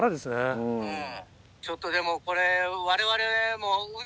ちょっとでもこれわれわれも。